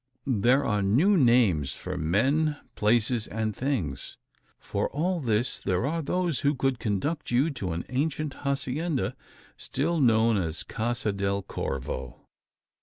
There are new names for men, places, and things. For all this, there are those who could conduct you to an ancient hacienda still known as Casa del Corvo.